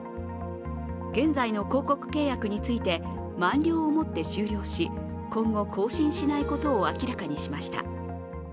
現在の広告契約について満了をもって終了し、今後更新しないことを明らかにしました。